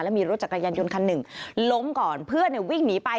มีรถจักรยานยนต์คันหนึ่งล้มก่อนเพื่อนวิ่งหนีไป